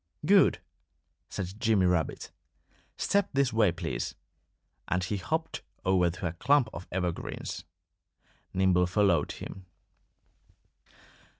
"Good!" said Jimmy Rabbit. "Step this way, please!" And he hopped over to a clump of evergreens. Nimble followed him.